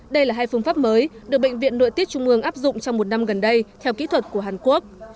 đây là hai phương pháp mới được bệnh viện nội tiết trung ương áp dụng trong một năm gần đây theo kỹ thuật của hàn quốc